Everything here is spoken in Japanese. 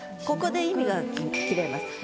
ここで意味が切れます。